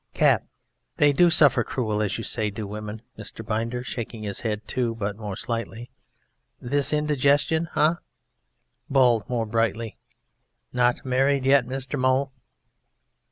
CAP: They do suffer cruel, as you say, do women, Mr. Binder (shaking his head too but more slightly). This indigestion ah! BALD (more brightly): Not married yet, Mr. Mowle?